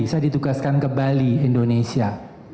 saya ditugaskan ke bali indonesia